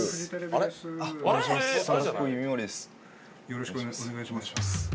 よろしくお願いします。